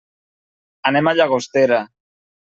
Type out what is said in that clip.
Anem a Llagostera.